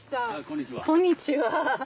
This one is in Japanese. こんにちは。